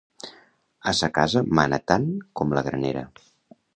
A sa casa mana tant com la granera.